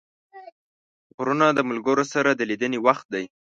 غرمه د ملګرو سره د لیدنې وخت دی